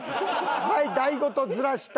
はい台ごとずらした。